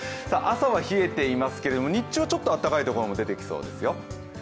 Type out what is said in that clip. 朝は冷えていますけれども、日中はちょっと暖かいところも出てきそうですよ。